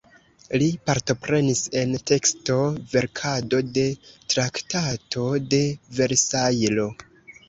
Li partoprenis en teksto-verkado de Traktato de Versajlo.